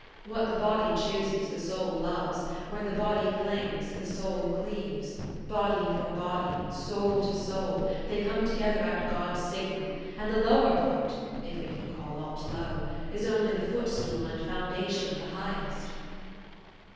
What the body chooses, the soul loves; where the body clings, the soul cleaves; body for body, soul to soul, they come together at God's signal; and the lower part (if we can call aught low) is only the footstool and foundation of the highest."